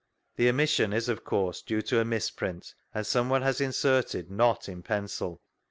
The omiasios is, of course, due to a mis|»int, and someone has in serted " not " in pencil.